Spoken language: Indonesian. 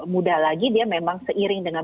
mudah lagi dia memang seiring dengan